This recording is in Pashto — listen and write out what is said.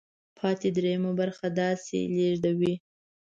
پاتې درېیمه برخه داسې لیږدوي.